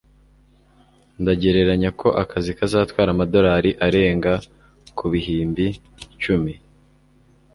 ndagereranya ko akazi kazatwara amadolari arenga kubihimbi icumi